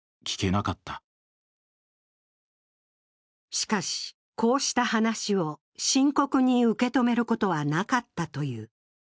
しかし、こうした話を深刻に受け止めることはなかったという。